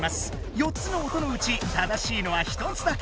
４つの音のうち正しいのは１つだけ。